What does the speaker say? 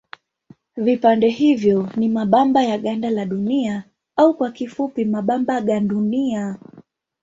Vipande hivyo ni mabamba ya ganda la Dunia au kwa kifupi mabamba gandunia.